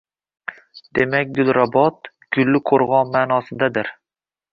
Demak, Gulrabot – «gulli qo‘rg‘on» ma’nosidadir.